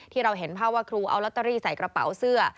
ที่เราเห็นภาพว่าครูเอาลอตเตอรี่ใส่กระเป๋าเสื้อ